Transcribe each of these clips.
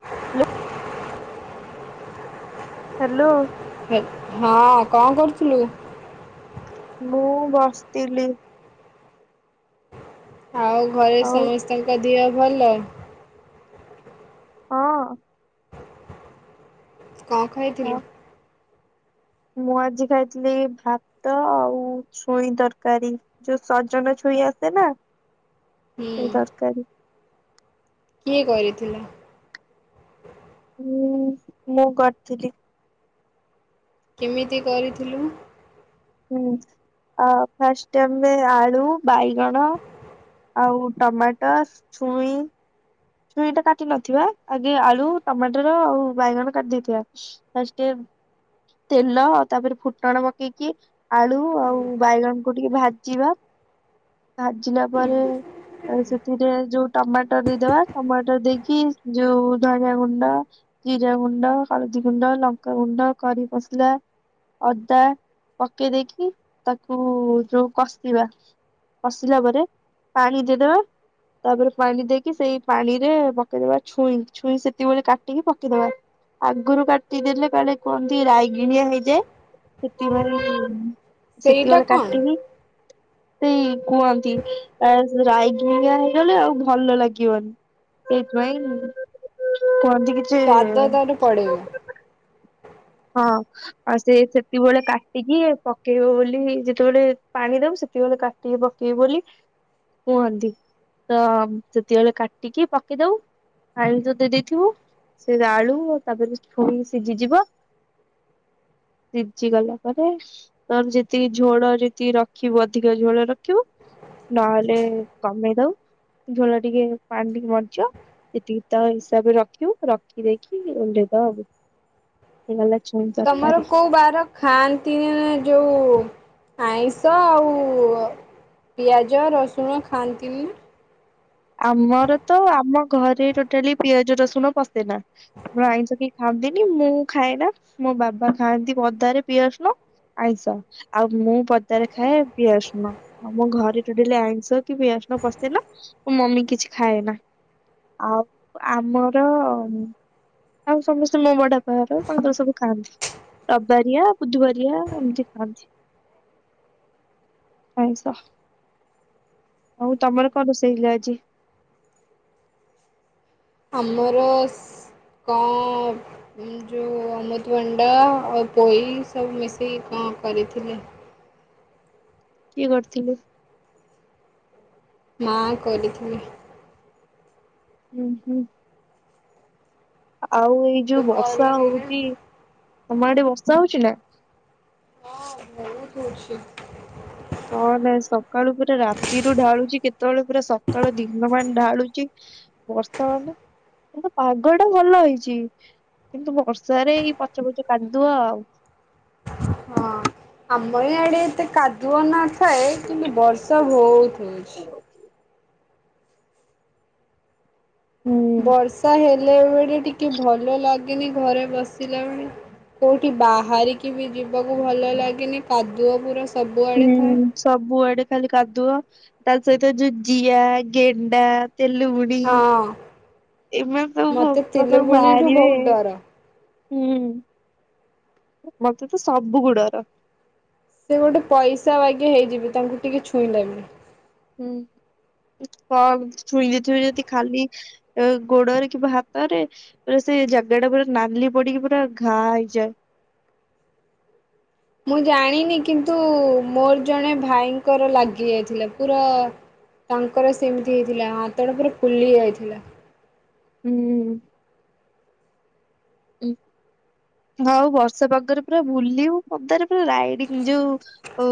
[unintelligible] Hello. ହଁ କଣ କରୁଥିଲୁ? ମୁଁ ବସିଥିଲି। ଆଉ ଘରେ ଆଉ ସମସ୍ତଙ୍କ ଦିହ ଭଲ। ହଁ। କଣ ଖାଇଥିଲୁ। ମୁଁ ଆଜି ଖାଇଥିଲି ଭାତ ଆଉ ଛୁଇଁ ତରକାରୀ। ଯୋ ସଜନ ଛୁଇ ଆସେ ନା ହୁଁ ସେଇ ତରକାରି। କିଏ କରିଥିଲା? ହୁଁ ମୁଁ କରିଥିଲି। କେମିତି କରିଥିଲୁ। ହୁଁ ଆ ଫାଷ୍ଟ ଆମେ ଆଳୁ, ବାଇଗଣ ଆଉ ଟମାଟର, ଛୁଇଁ ଛୁଇଟା କାଟି ନଥିବା ଆଗେ ଆଳୁ, ଟମାଟର ଆଉ ବାଇଗଣ କାଟିଦେଇଥିବା। ଫାଷ୍ଟେ ତେଲ ଆଉ ତାପରେ ଫୁଟଣ ପକେଇକି। ଆଳୁ ଆଉ ବାଇଗଣ କୁ ଟିକେ ଭାଜିବା। ଭାଜିଲା ପରେ ସେଥିରେ ଯୋଉ ଟମାଟର ଦେଇଦବା। ଟମାଟର ଦେଇକି ଯୋଉ ଧଣିଆ ଗୁଣ୍ଡ ଜିରାଗୁଣ୍ଡ, ହଳଦୀଗୁଣ୍ଡ, ଲଙ୍କା ଗୁଣ୍ଡ, କରି ଫସଲା ଅଦା ପକେଇ ଦେଇକି ତାକୁ ଯୋଉ କଷିବା କସିଲା ପରେ ପାଣି ଦେଇଦବା ତାପରେ ପାଣି ଦେଇକି ସେଇ ପାଣିରେ ପକେଇଦବା ଛୁଇଁ ଛୁଇଁ ସେତିକି ବେଳେ କାଟିକି ପକେଇଦବା। ଆଗରୁ କାଟିଦେଲେ କାଳେ କୁଅନ୍ତି ରାଇଗିଣିଆ ହେଇଯାଏ। ସେଥି ପାଇଁ ସେଇଟା ସେତିବେଳେ କଣ? କାଟିକି ଉଁ କୁହନ୍ତି ଆ ରାଇଗିଣିଆ ହେଇଗଲେ ଆଉ ଭଲ ଲାଗିବନି। ସେଇଥି ପାଇଁ କୁହନ୍ତି କିଛି ସ୍ଵାଦ ତାର ପଳେଇବ। ହଁ। ଆଉ ସିଏ ସେତିକି ବେଳେ କାଟିକି ପକେଇବ ବୋଲି ଯେତେବେଳେ ପାଣି ଦବୁ ସେତିକୀ ବେଳେ କା ଟିକି ପକେଇବ ବୋଲି କୁହନ୍ତି ତ ସେତିବେଳେ କାଟିକି ପକେଇ ଦଉ। ପାଣି ତ ଦେଇ ଦେଇଥିବୁ ସେ ଆଳୁ ତାପରେ ଛୁଇଁ ସିଜିଯିବ। ସିଝି ଗଲା ପରେ ତୋର ଯେତିକି ଝୋଳ ଯେତିକି ରଖିବୁ ଅଧିକ ଝୋଳ ରଖିବୁ ନହେଲେ କମେଇ ଦଉ ଝୋଳ ଟିକେ ପାଣି ଟିକେ ମରିଯିବ ସେତିକି ତ ହିସାବରେ ରଖିବୁ ରଖି ଦେଇକି ଓହ୍ଲେଇ ଦବୁ। ହେଇଗଲା ଛୁଇଁ ତମର କୋଉ ବାର ଖାଆନ୍ତିନି ଯୋଉ ଆଇଁଷ ଆଉ ପିଆଜ ରସୁଣ ଖାଆନ୍ତିନି ନା। ଆମର ତ ଆମ ଘରେ ଟୋଟାଲି ପିଆଜ ରସୁଣ ପଶେନା। ଆମର ଆଇଁଷ କେ ଖାଆନ୍ତିନି ମୁଁ ଖାଏନା ମୋ ବାବା ଖାଆନ୍ତି ପଦାରେ ପିଆଜ ରସୁଣ। ଆଇଁଷ ଆଉ ମୁଁ ପଦାରେ ଖାଏ ପିଆଜ ରସୁଣ। ଆମ ଘରେ ଟୁଟାଲି ଆଇଁଷ କି ପିଆଜ ରସୁଣ ପସେନା ମୋ ମମି କିଛି ଖାଏ ନା। ଆଉ ଆମର ଆଉ ସମସ୍ତେ ମୋ ବଡ଼ ବାପା ଘର ତାଙ୍କର ସବୁ ଖାଆନ୍ତି। ରବବାରିଆ, ବୁଧବାରିଆ ଏମିତି ଖାଆନ୍ତି। ଆଇଁଷ ଆଉ ତମର କଣ ରୋଷେଇ ହେଇଥିଲା ଆଜି? ଆମର କ ଏ ଯୋଉ ଅମୃତଭଣ୍ଡା ଆଉ ପୋଇ ସବୁ ମିଶେଇ କଣ କରିଥିଲେ। କିଏ କରିଥିଲେ? ମା କରିଥିଲେ। ଉଁ ହୁଁ ଆଉ ଏଇ ମୁଁ ତ ଯୋଉ ବର୍ଷା କରୁନି ନା। ହଉଚି ତମ ଆଡେ ବର୍ଷା ହଉଚି ନା। ହଁ ବହୁତ୍ ହଉଚି। କ ନା ସକାଳୁ ପୁରା ରାତିରୁୁ ଢାଳୁଚି କେତେବେଳେ ପୁରା ସକାଳୁ ଦିନ ମାନ ଢାଳୁଚି। ବର୍ଷା ମାନେ କିନ୍ତୁ ପାଗ ଟା ଭଲ ହେଇଚି। କିନ୍ତୁ ବର୍ଷାରେ ଏଇ ପଚ ପଚ କାଦୁଅ ଆଉ। ହଁ। ଆମ ଇଆଡେ ଏତେ କାଦୁଅ ନଥାଏ କିନ୍ତୁ ବର୍ଷା ହଉଚି। ହୁଁ ବର୍ଷା ହେଲା ବେଳେ ଟିକେ ଭଲ ଲାଗେନି ଘରେ ବସିଲା ବେଳେ। କୋଉଠି ବାହାରିକି ବି ଯିବାକୁ ଭଲ ଲାଗେନି କାଦୁଅ ପୁରା। ସବୁଆଡେ ହୁଁ। ଥାଏ। ସବୁଆଡେ ଖାଲି କାଦୁଅ ତା ସହିତ ଜୁ ଜିଆ, ଗେଣ୍ଡା, ତେଲୁଗୁ ଡି ହଁ ଏମାନେ ସବୁ ମତେ ପୋକ ସବୁ ତେଲୁଗୁଣିଠୁ ବହୁତ ବାହାରିବେ। ଡର। ହୁଁ। ମତେ ତ ସବୁ କୁ ଡର। ସେ ଗୋଟେ ପଇସା ବାଗେ ହେଇଯିବେ ତାଙ୍କୁ ଟିକେ ଛୁଇଁ ଦେବେ। ହୁଁ କ ଛୁଇଁ ଦେଇଥିବେ ଯଦି ଖାଲି ଅ ଗୋଡରେ କିବା ହାତରେ ଏ ସେ ଜାଗା ଟା ପୁରା ନାଲି ପଡିକି ପୁରା ଘା ହେଇଯାଏ। ମୁଁ ଜାଣିନି କିନ୍ତୁ ମୋର ଜଣେ ଭାଇଙ୍କର ଲାଗିଯାଇଥିଲା ପୁରା ତାଙ୍କର ସେମିତି ହେଇଥିଲା ହ ତଡ଼ ପୁରା ଫୁଲି ଯାଇଥିଲା। ହୁଁ ହଉ ବର୍ଷା ପାଗରେ ପୁରା ବୁଲିବୁ ପଦାରେ ପୁରା ରାଇଡିଙ୍ଗ ଯୋଉ ଓ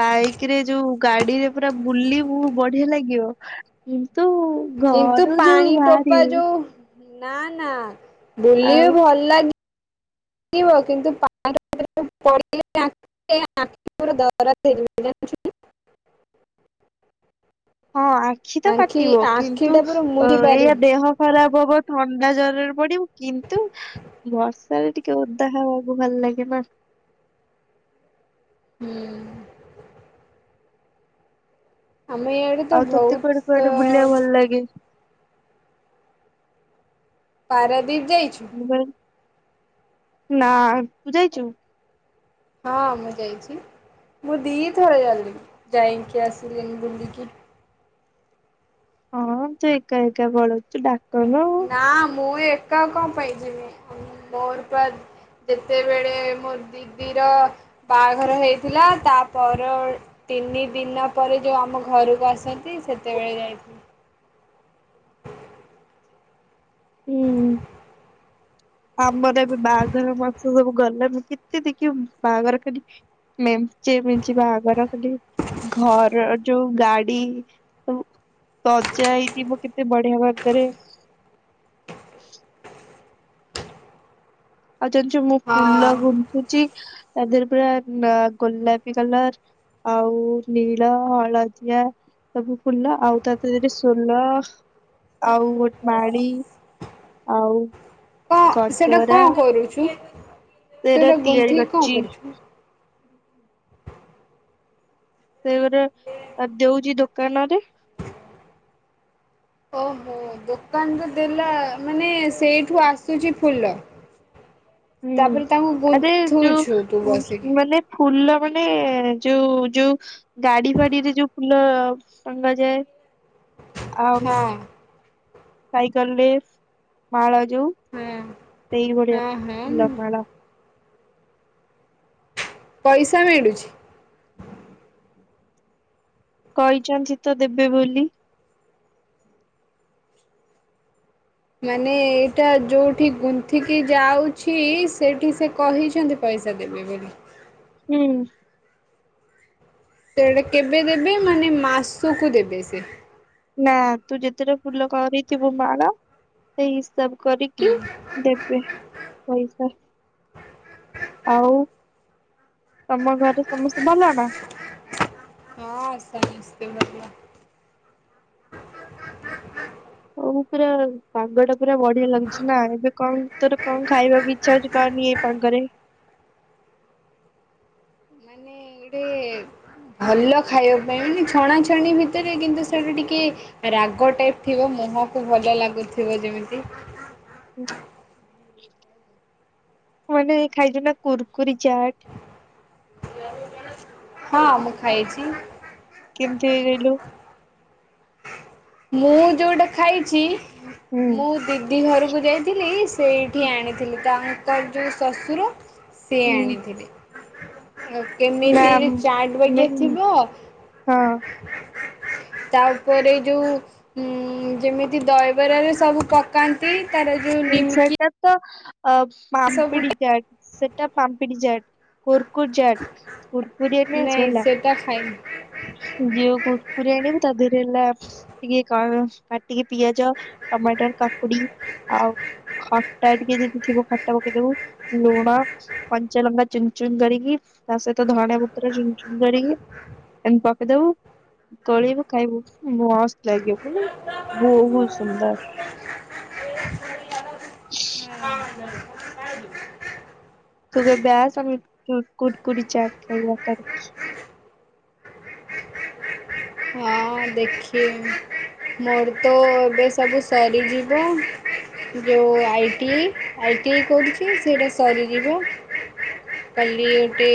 ବାଇକରେ ଯୋଉ ଗାଡିରେ ପୁରା ବୁଲିବୁ ବଢିଆ ଲାଗିବ। କିନ୍ତୁ କିନ୍ତୁ ଘରୁ ଯୋଉ ପାଣି ଟୋପା ବାହାରିବୁ ଯୋଉ ନା ନା ବୁଲିବି ଆଉ ଭଲ ଲାଗେ ଗିବ କିନ୍ତୁ [inaudible] [inaudible] [inaudible] ହଁ ଆଖି ତ କାଟିବ କିନ୍ତୁ ଆଖିଟା ପୁରା ଅ ମୁଦି ଏଇଆ ପାରିବୁ ଦେହ ଖରାପ ହବ ଥଣ୍ଡା ଜରରେ ପଡିବୁ କିନ୍ତୁ ବର୍ଷାରେ ଟିକେ ଓଦା ହବାକୁ ଭଲ ଲାଗେ ନା ହୁଁ ଆମେ ଇଆଡେ ତ ଆଉ ତୋତେ କୁଆଡେ ବହୁତ କୁଆଡେ ବୁଲିବାକୁ ଭଲ ଲାଗେ ପାରାଦୀପ ଯାଇଛୁ ନା ତୁ ଯାଇଛୁ। ହଁ ମୁଁ ଯାଇଛି ମୁଁ ଦି ଥରେ ଜାଲି ଯାଇକି ଆସିଲିନି ବୁଲିକି ହଁ ତୁ ଏକା ଏକା ପଳଉଛୁ ଡାକନୁ। ନା ମୁଁ ଏକା କଣ ପାଇଯିବି ମୋର ପା ଯେତେବେଳେ ମୋ ଦିଦିର ବାହାଘର ହେଇଥିଲା ତାପର ତିନି ଦିନ ପରେ ଯୋଉ ଆମ ଘରକୁ ଆସନ୍ତି ସେତେବେଳେ ଯାଇ ହୁଁ ଆମର ଏବେ ବାହାଘର ମାଛ ସବୁ ଗଲଣି କେତେ ଦେଖିବ ବାହାଘର ଖାଲି ମେଞ୍ଚେ ମେଞ୍ଚେ ବାହାଘର ଖାଲି ଘର ଯୋଉ ଗାଡି ସଜା ହେଇଥିବ କେତେ ବଢିଆ ଭାଗରେ ଆଉ ଜାଣିଛୁ, ମୁଁ ଫୁଲ ହଁ ଗୁନ୍ଥୁଛି। ତା ଦେହରେ ପା ଗୋଲାପି କଲର। ଆଉ ନୀଳ, ହଳଦିଆ ସବୁ ଫୁଲ ଆଉ ତା ଦେହରେ ସୋଲ, ଆଉ ଗୋଟେ ମାଳି ଆଉ କଣ ସେଟା ଗଜରା। କଣ କରୁଛୁ। ସେଟା [unintelligible] ତିଆରି ଗୁନ୍ଥିକି କଣ କରିଛି। କରୁଛୁ? [unintelligible] ଦଉଛି ଦୋକାନରେ। ଓହୋ। ଦୋକାନରେ ଦେଲା, ମାନେ ସେଇଠୁ ଆସୁଛି ଫୁଲ। ହୁଁ ତାପରେ ତାଙ୍କୁ ଆରେ ଯୋଉ ଗୁନ୍ଥୁଛୁ ତୁ ଉ ବସିକି? ମାନେ ଫୁଲ ମାନେ ଯୋଉ ଯୋଉ ଗାଡି ଫାଡିରେ ଯୋଉ ଫୁଲ ଟଙ୍ଗାଯାଏ ଆଉ ହଁ ସାଇକେଲରେ ମାଳା ଯୋଉ, ହଁ। ସେଇଭଳିଆ ହଁ ହଁ ଫୁଲ ମାଳ। ପଇସା ମିଳୁଛି। କହିଛନ୍ତି ତ ଦେବେ ବୋଲି? ମାନେ, ଏଇଟା ଯୋଉଠି ଗୁନ୍ଥିକି ଯାଉଛି, ସେଇଠି ସେ କହିଛନ୍ତି। ପଇସା ଦେବେ ବୋଲି। ହୁଁ। ସେ ସେଇଟା କେବେ ଦେବେ? ମାନେ, ମାସକୁ ଦେବେ ସେ। ନାଁ, ତୁ ଯେତେଟା ଫୁଲ କରିଥିବୁ, ମୋର। ଏଇ ହିସାବ କରିକି ଦେବେ ପଇସା। ଆଉ, ତମ ଘରେ ସମସ୍ତେ ଭଲ ନା? ହଁ, ସମସ୍ତେ ଭଲ। ହଁ, ପୁରା [unintelligible] ପୁରା ବଢିଆ ଲାଗୁଛି ନା! ଏବେ କଣ ତୋର କଣ ଖାଇବାକୁ ଇଚ୍ଛା ହଉଛି, କଅନି। ତାଙ୍କରେ ମାନେ ଏଇଟେ ଭଲ ଖାଇବା ପାଇଁ ମାନେ ଛଣାଛଣି ଭିତରେ, କିନ୍ତୁ ସେଇଟା ଟିକେ ରାଗ ଟାଇପ୍ ଥିବ, ମୁହଁକୁ ଭଲ ଲାଗୁଥିବ, ଯେମିତି [inaudible] ମାନେ ଖାଇଛୁ ନା କୁୁରକୁରି ଚାଟ। [inaudible] ହଁ, ମୁଁ ଖାଇଛି। କେମିତି ହେଇଗଲୁ। ମୁଁ ଯୋଉଟା ଖାଇଛି, ହୁଁ ମୁଁ ଦି ଦି ଘରକୁ ଯାଇଥିଲି, ସେଇଠି ଆଣିଥିଲି। ତାଙ୍କର ଯୋଉ ଶ୍ୱଶୁର ସିଏ ହୁଁ ଆଣିଥିଲେ। ଓ ନା କେମିତି ଚାଟ ବାଗେ ମେନ୍ ଥିବ? ହଁ ତାପରେ ଯୋଉ ଉଁ ଯେମିତି ଦହିବରାରେ ସବୁ ପକାନ୍ତି, ତାର ଯୋଉ ନିମକି ସେଇଟା ତ ଅ ପାମ୍ପଡି ସବୁଟା [unintelligible] ସେଟା ପାମ୍ପିଡି ଚାଟ୍, କୁୁରକୁୁରି ଚାଟ୍ କୁୁରକୁରି ନେଇ ଆସିବ ନାଇଁ ହେଲା? ସେଟା ଖାଇନି ଦିଅ, କୁରକୁରି ଆଣିବୁ, ତା ଦେହରେ ହେଲା ଟିକେ କ କାଟିକି ପିଆଜ, ଟମାଟର, କାକୁଡି ଆଉ ଖଟା ଟିକେ ଯଦି ଥିବ, ଖଟା ପକେଇଦବୁ, ଲୁଣ କଞ୍ଚାଲଙ୍କା ଚୁନ୍ ଚୁନ୍ କରିକି, ତା ସହିତ ଧଣିଆ ପତ୍ର ଚୁନ୍ ଚୁନ୍ କରିକି ଏମତି ପକେଇଦବ। ତଳେଇବା ଖାଇବ ମସ୍ତ ଲାଗିବ ପୁଣି ବହୁତ ସୁନ୍ଦର [inaudible] [inaudible] ତୁ କେବେ ଆସ ଆମ କୁଡକୁଡ଼ି ଚାଟ ଖାଇବା [unintelligible] ହଁ ଦେଖିବ ମୋର ତ ଏବେ ସବୁ ସରିଯିବ ଯେଉଁ ଆଇଟି ଆଇଟିଇ କରୁଛି ସେଇଟା ସରିଯିବ। କଲିଉଟି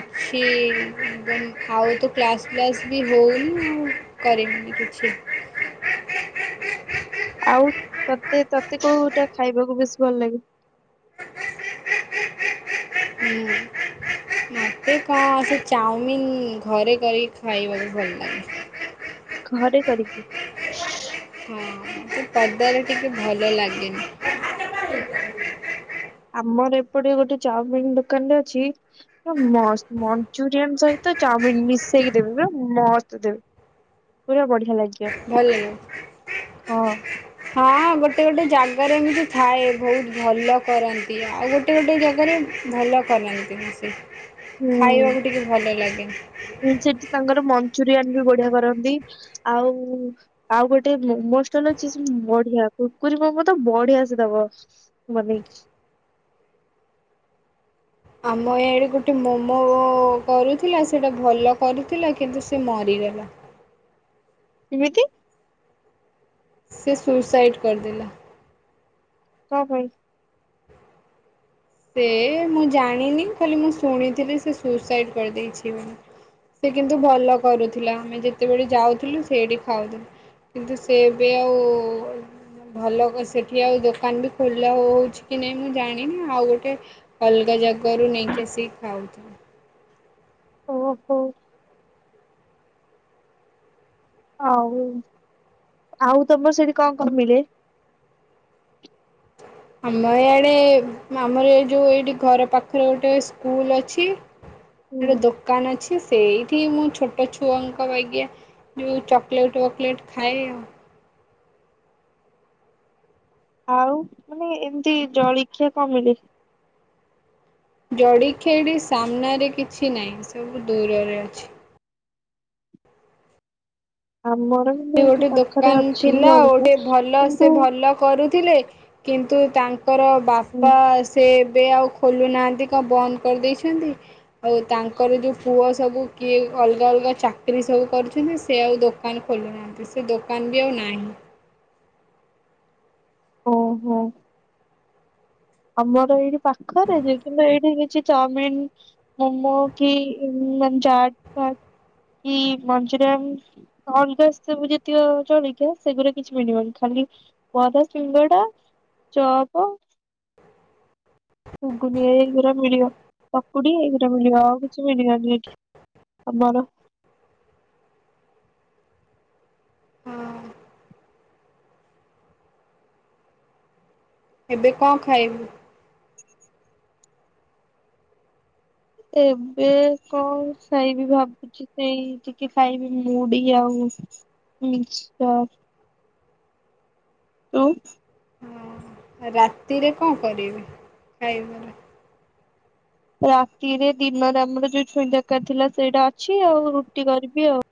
ଅଛି [unintelligible] ଆଉ ତ କ୍ଲାସ ବ୍ଲାସ ବି ହଉନି। କରିବିନି କିଛି ଆଉ ତତେ ତତେ କୋଉଟା ଖାଇବାକୁ ବେଶୀ ଭଲ ଲାଗେ? [inaudible] ଏ କନ୍ ଚାଉମିିନ ଘରେ କରି ଖାଇବାକୁ ଭଲ ଲାଗେ। ଘରେ କରିକି ହଁ [inaudible] ପଦାରେ ଟିକେ ଭଲ ଲାଗେନି ଆମର ଏପଟେ ଗୋଟେ ଚାଉମିିନ ଦୋକାନ ରେ ଅଛି ମସ୍ତ ମଞ୍ଚୁରିଆନ ସହିତ ଚାଉମିନ ମିଶେଇକି ଦେବେ ମ ମସ୍ତ୍ ଦେବେ। ପୁରା ବଢିଆ ଲାଗିବ। ଭଲ ଲାଗେ। ହଁ। ହଁ ଗୋଟେ ଗୋଟେ ଜାଗାରେ ଏମିତି ଥାଏ ବହୁତ ଭଲ କରନ୍ତି ଆଉ ଗୋଟେ ଗୋଟେ ଗୋଟେ ଜାଗାରେ ଭଲ କରନ୍ତିନି ସେ ଖାଇବାକୁ ଟିକେ ଭଲ ଲାଗେନି ସେଠି ତାଙ୍କର ମଞ୍ଚୁରିଆନ ବି ବଢିଆ କରନ୍ତି ଆଉ ଆଉ ଗୋଟେ ମୋମୋଷ୍ଟଲ ଅଛି ସେ ବଢିଆ କୁରୁକୁରେ ମୋମୋ ତ ବଢିଆ ସେ ଦବ। [inaudible] ଆମ ଇଆଡ଼େ ଗୋଟେ ମୋମୋ କରୁଥିଲା ସେଇଟା ଭଲ କରୁଥିଲା କିନ୍ତୁ ସେ ମରିଗଲା। କେମିତି? ସେ ସୁଇସାଇଡ଼୍ କରିଦେଲା। କଣ ପାଇଁ? ସେ ମୁଁ ଜାଣିନି ଖାଲି ମୁଁ ଶୁଣିଥିଲି ସେ ସୁସାଇଡି କରିଦେଇଛି ବୋଲି। ସେ କିନ୍ତୁ ଭଲ କରୁଥିଲା ଆମେ ଯେତେବେଳେ ଯାଉଥିଲୁ ସେଇଠି ଖାଉୁ। କିନ୍ତୁ ସେବି ଆଉ ଭଲ କ ସେଠି ଆଉ ଦୋକାନ ବି ଖୋଲା ହଉଛି କି ନାଇଁ ମୁଁ ଜାଣିନି ଆଉ ଗୋଟେ ଗୋଟେ ଅଲଗା ଜାଗାରୁ ନେଇକି ଆସିକି ଖାଉ। ଓହୋ। ହଉ ଆଉ ତମର ସେଠି କଣ କଣ ମିଳେ? ଆମ ଇଆଡେ ଆମର ଏ ଯେଉଁ ଏଇଠି ଘର ପାଖରେ ଗୋଟେ ସ୍କୁଲ ଅଛି। ହୁଁ ଗୋଟେ ଦୋକାନ ଅଛି ସେଇଠି ମୁଁ ଛୋଟ ଛୁଆଙ୍କ ବାଗିଆ ଯଉଁ ଚକୋଲେଟ୍ ୱକଲେଟ୍ ଖାଏ ଆଉ। ଆଉ ମାନେ ଏମିତି ଜଳଖିଆ କ ମିଳେ। ଜଡିଖିଆ ଏଠି ସାମ୍ନାରେ କିଛି ନାହିଁ ସବୁ ଦୂରରେ ଅଛି। ଆମର କିନ୍ତୁ ସେ ଏଇଠି ଗୋଟେ ପାଖରେ ଦୋକାନ ଅଛି ଥିଲା ଜଳିଖିଆ ଗୋଟେ ଭଲ ସେ କିନ୍ତୁ ଭଲ କରୁଥିଲେ କିନ୍ତୁ ତାଙ୍କର ହୁଁ ବାପା ସେ ଏବେ ଆଉ ଖୋଲୁନାହାନ୍ତି କଣ ବନ୍ଦ କରିଦେଇଛନ୍ତି। ଆଉ ତାଙ୍କର ଯେଉଁ ପୁଅ ସବୁ କିଏ ଅଲଗା ଅଲଗା ଚାକିରି ସବୁ କରୁଛନ୍ତି ସେ ଆଉ ଦୋକାନ ଖୋଲୁନାହାନ୍ତି ସେ ଦୋକାନ ବି ଆଉ ନାହିଁ। ଓହୋ। ଆମର ଏଇଠି ପାଖରେ ଯେ କିନ୍ତୁ ଏଇଠି କିଛି ଚାଉମିନ୍ ମୋମୋ କି ମାନ ଚାଟ ଫାଟ କି ମଞ୍ଚୁରିୟାନ୍ ଅଲଗା ସବୁ ଯେତିକ ଚଳିକିଆ ସେଗୁରା କିଛି ମିଳିବନି ଖାଲି ବରା ସିଙ୍ଗଡା ଚପ ଗୁଗୁନି ଏଇ ଗୁରା ମିଳିବ ପକୁଡି ଏଇ ଗୁରା ମିଳିବ ଆଉ କିଛି ମିଳିବନି ଏଠି। ଆମର ହଁ ଏବେ କଁ ଖାଇବୁ। ଏବେ କଣ ଖାଇ ବିି ଭାବୁ ସେଇ ଟିକି ଖାଇବି ମୁଡି ଆଉ ମିକ୍ସଚର। ତୁ। ହଁ ରାତିରେ କଣ କରିବି ଖାଇବାର। ରାତିରେ ଦିନରେ ଆମର ଯୋଉ ଛୁଇଁ ତରକାରୀ ଥିଲା ସେଇଟା ଅଛି ଆଉ ରୁଟି କରିବି ଆଉ।